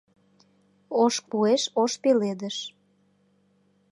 Ош куэш ош пеледыш